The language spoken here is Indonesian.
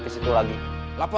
nek itu keren ya